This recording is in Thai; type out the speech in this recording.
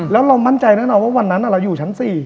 แล้วเรามั่นใจแน่นอนว่าวันนั้นเราอยู่ชั้น๔